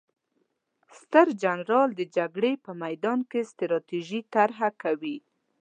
ستر جنرال د جګړې په میدان کې ستراتیژي طرحه کوي.